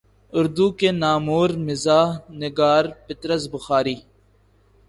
اردو کے نامور مزاح نگار پطرس بخاری